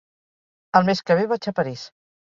El mes que ve vaig a París.